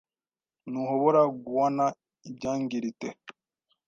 Ntuhobora guana ibyangirite